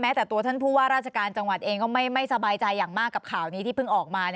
แต่ตัวท่านผู้ว่าราชการจังหวัดเองก็ไม่สบายใจอย่างมากกับข่าวนี้ที่เพิ่งออกมา